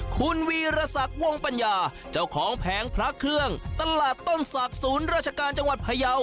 คุณวีรศักดิ์วงปัญญาเจ้าของแผงพระเครื่องตลาดต้นศักดิ์ศูนย์ราชการจังหวัดพยาว